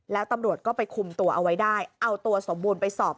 แล้วตำรวจก็ไปคุมตัวเอาไว้ได้เอาตัวสมบูรณ์ไปสอบ